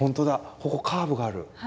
ここカーブがある。